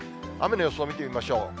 雨の予想を見てみましょう。